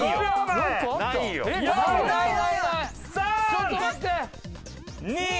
ちょっと待って！